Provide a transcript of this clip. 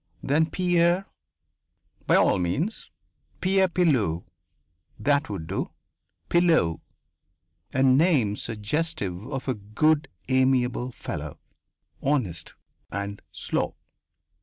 Then Pierre, by all means! Pierre Pilleux. That would do. Pilleux. A name suggestive of a good amiable fellow, honest and slow.